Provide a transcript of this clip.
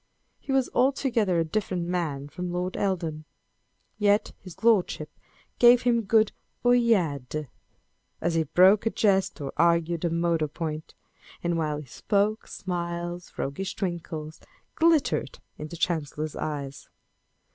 He was altogether a different man from Lord Eldon ; yet his lordship " gave him good ceillades" as he broke a jest, or argued a moot point, and, while he spoke, smiles, roguish twinkles, glittered in the Chancellor's eyes.